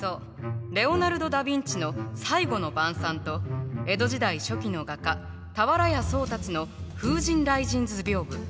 レオナルド・ダ・ヴィンチの「最後の晩餐」と江戸時代初期の画家俵屋宗達の「風神雷神図屏風」。